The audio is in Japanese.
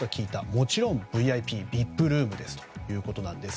もちろんＶＩＰルームですということです。